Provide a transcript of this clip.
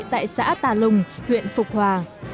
tại xã tà lùng huyện phục hòa